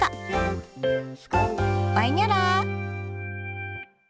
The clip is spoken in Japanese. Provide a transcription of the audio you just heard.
ばいにゃら。